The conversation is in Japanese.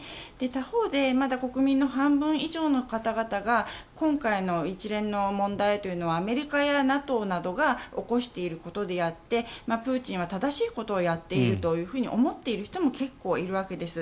他方でまだ国民の半分以上の方々が今回の一連の問題というのはアメリカやＮＡＴＯなどが起こしていることであってプーチンは正しいことをやっていると思っている人も結構いるわけです。